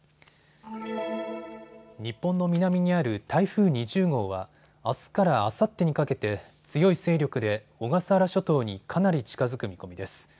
日本の南にある台風２０号はあすからあさってにかけて強い勢力で小笠原諸島にかなり近づく見込みです。